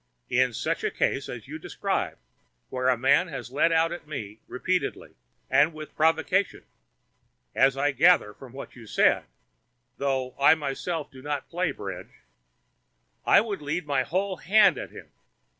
In such a case as you describe, where a man has led out at me repeatedly and with provocation, as I gather from what you say, though I myself do not play bridge, I should lead my whole hand at him.